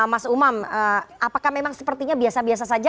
mas umam apakah memang sepertinya biasa biasa saja